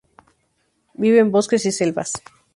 Vive en bosques y selvas.